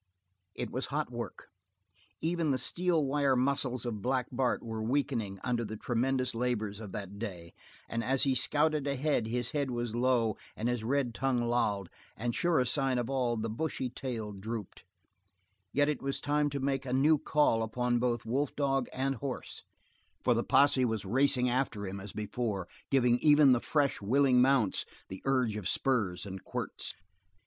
It was hot work. Even the steel wire muscles of Black Bart were weakening under the tremendous labors of that day, and as he scouted ahead his head was low and his red tongue lolled, and surest sign of all, the bushy tail drooped; yet it was time to make a new call upon both wolf dog and horse, for the posse was racing after him as before, giving even the fresh, willing mounts the urge of spurs and quirts.